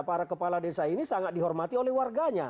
para kepala desa ini sangat dihormati oleh warganya